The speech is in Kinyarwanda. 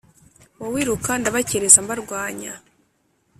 wowe iruka ndabakereza mbarwanya"